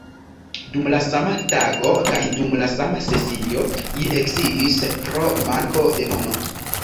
Dum la sama tago kaj dum la sama sesio, ili eksigis"—pro manko de mono!